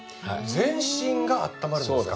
全身があったまるんですか？